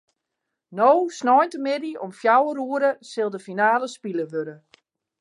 No sneintemiddei om fjouwer oere sil de finale spile wurde.